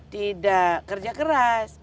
tidak kerja keras